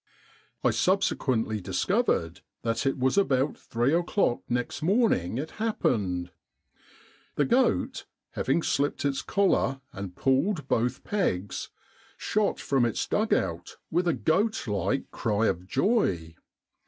I subsequently discovered that it was about three o'clock next morning it hap pened. The goat, having slipped its collar and pulled both pegs, shot from its dug out with a goat like cry of joy.